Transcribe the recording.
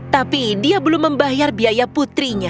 tapi dia belum membayar biaya putrinya